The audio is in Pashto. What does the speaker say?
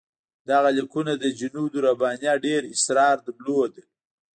دغه لیکونه د جنودالربانیه ډېر اسرار لرل.